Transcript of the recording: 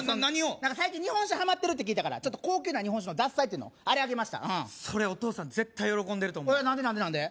何か最近日本酒ハマってるって聞いたからちょっと高級な日本酒の獺祭っていうのあれあげましたお父さん絶対喜んでると思うえっ何で何で何で？